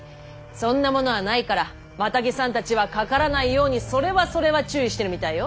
そんなものはないからマタギさんたちは「かからない」ようにそれはそれは注意してるみたいよ。